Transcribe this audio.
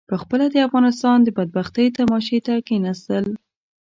پخپله د افغانستان د بدبختۍ تماشې ته کېنستل.